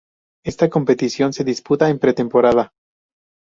Esta competición se disputa en pretemporada.